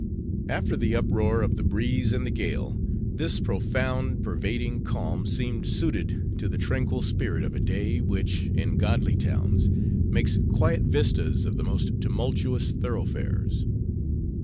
After the uproar of the breeze and the gale, this profound, pervading calm seemed suited to the tranquil spirit of a day, which, in godly towns, makes quiet vistas of the most tumultuous thoroughfares.